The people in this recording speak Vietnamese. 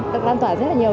được lan tỏa rất là nhiều